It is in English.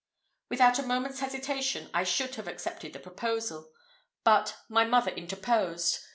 Without a moment's hesitation I should have accepted the proposal; but my mother interposed.